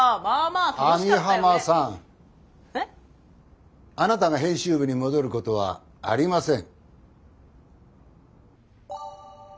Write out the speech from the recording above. あなたが編集部に戻ることはありません。